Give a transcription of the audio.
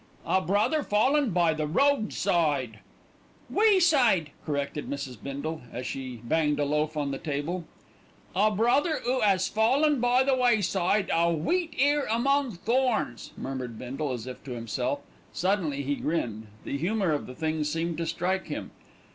"A brother fallen by the roadside " "Wayside," corrected Mrs. Bindle, as she banged a loaf on the table. "A brother 'oo 'as fallen by the wayside, a wheat ear among thorns," murmured Bindle as if to himself. Suddenly he grinned; the humour of the thing seemed to strike him.